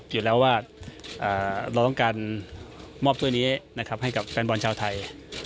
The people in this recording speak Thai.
อยู่แล้วว่าเราต้องการมอบตัวนี้นะครับให้กับแฟนบอลชาวไทย